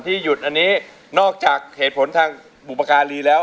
หยุดอันนี้นอกจากเหตุผลทางบุปการีแล้ว